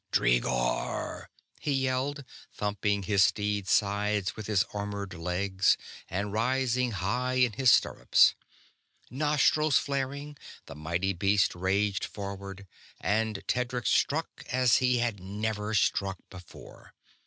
"Dreegor!" he yelled, thumping his steed's sides with his armored legs and rising high in his stirrups. Nostrils flaring, the mighty beast raged forward and Tedric struck as he had never struck before.